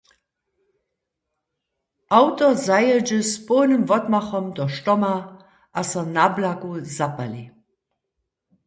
Awto zajědźe z połnym wotmachom do štoma a so na blaku zapali.